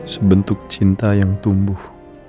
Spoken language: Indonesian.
sebentuk cinta yang tumbuh